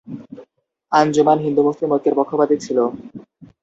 আঞ্জুমান হিন্দু-মুসলিম ঐক্যের পক্ষপাতী ছিল।